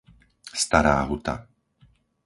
Stará Huta